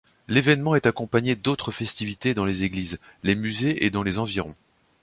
L'événement est accompagné d'autres festivités dans les églises, les musées et dans les environs.